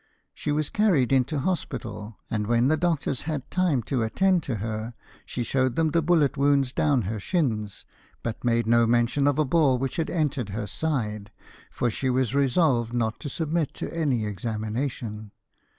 She was carried into hospital, and when the doctors had time to attend to her, she showed them the bullet wounds down her shins, but made no mention of a ball which had entered her side, for she was resolved not to submit to any examination.